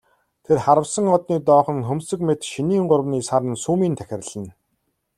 Тэр харвасан одны доохон хөмсөг мэт шинийн гуравны саран сүүмийн тахирлана.